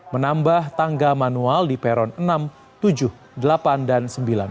menambah tangga manual di peron enam tujuh delapan dan sembilan